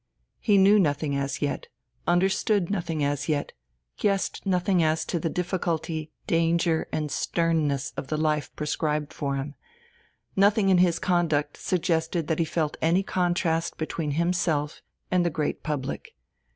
He knew nothing as yet, understood nothing as yet, guessed nothing as to the difficulty, danger, and sternness of the life prescribed for him; nothing in his conduct suggested that he felt any contrast between himself and the great public.